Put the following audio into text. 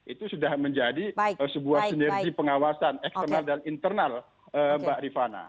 itu sudah menjadi sebuah sinergi pengawasan eksternal dan internal mbak rifana